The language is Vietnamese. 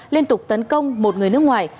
liên tục tấn công một người nước ngoài